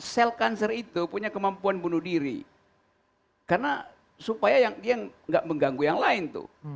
sel kanser itu punya kemampuan bunuh diri karena supaya dia nggak mengganggu yang lain tuh